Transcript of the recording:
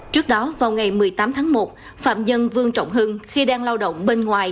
trước đó vào ngày một mươi tám tháng một phạm nhân vương trọng hưng khi đang lao động bên ngoài